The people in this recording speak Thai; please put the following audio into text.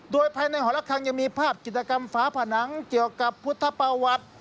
โดยภายในหอละครังยังมีภาพจิตกรรมฝาผนังเกี่ยวกับพุทธประวัติ